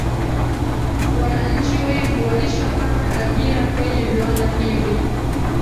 Wananchi wengi walishapata ajira kwenye viwanda hivi